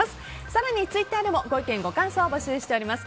更にツイッターでもご意見、ご感想を募集しています。